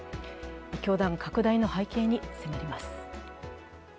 教団拡大の背景に迫ります。